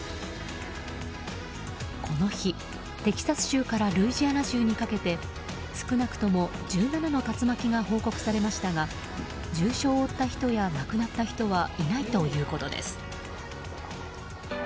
この日、テキサス州からルイジアナ州にかけて少なくとも１７の竜巻が報告されましたが重傷を負った人や亡くなった人はいないということです。